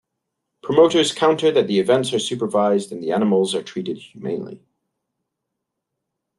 Promoters counter that the events are supervised and the animals are treated humanely.